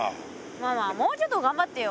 まあまあもうちょっと頑張ってよ。